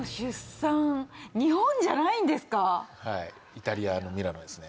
イタリアのミラノですね。